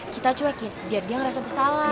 kita cuekin biar dia ngerasa bersalah